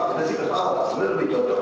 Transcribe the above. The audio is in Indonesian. kita sih ketawa sebenarnya lebih nyokok